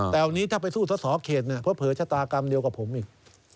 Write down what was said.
แต่วันนี้ถ้าไปสู้สอสอเขตเนี่ยเผลอชะตากรรมเดียวกับผมอีก